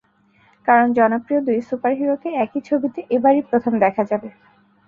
কারণ, জনপ্রিয় দুই সুপার হিরোকে একই ছবিতে এবারই প্রথম দেখা যাবে।